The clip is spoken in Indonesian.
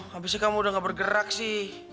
habisnya kamu udah gak bergerak sih